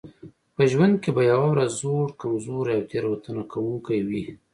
په ژوند کې به یوه ورځ زوړ کمزوری او تېروتنه کوونکی وئ.